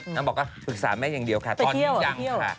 นางบอกว่าปรึกษาแม่อย่างเดียวค่ะไปเที่ยว